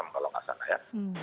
kalau tidak salah ya